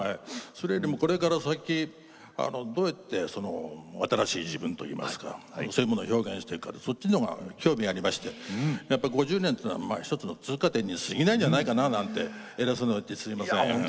それよりもこれから先どうやって新しい自分といいますかそういうものを表現していくかとそっちの方が興味ありまして５０年というのは１つの通過点にすぎないんじゃないかななんて偉そうなこと言ってすいません。